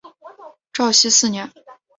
绍熙四年。